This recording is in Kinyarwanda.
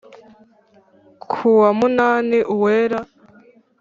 kuwa munani uwera